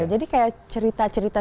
jadi kayak cerita cerita